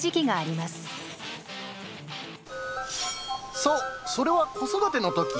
そうそれは子育ての時。